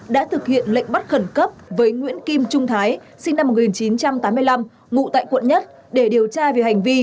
đã thực hiện lệnh bắt khẩn cấp với nguyễn kim trung thái sinh năm một nghìn chín trăm tám mươi năm ngụ tại quận một để điều tra về hành vi